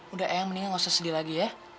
udah ayang mendingan gak usah sedih lagi ya